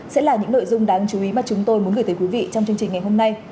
sẽ là những nội dung đáng chú ý mà chúng tôi muốn gửi tới quý vị trong chương trình ngày hôm nay